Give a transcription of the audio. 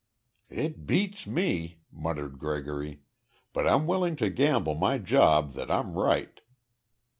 "It beats me," muttered Gregory. "But I'm willing to gamble my job that I'm right."